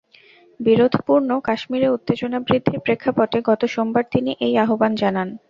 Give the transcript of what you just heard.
বিরোধপূর্ণ কাশ্মীরে উত্তেজনা বৃদ্ধির প্রেক্ষাপটে গত সোমবার তিনি এই আহ্বান জানান।